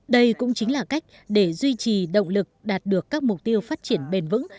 đây cũng chính là cách để duy trì động lực đạt được các mục tiêu phát triển bền vững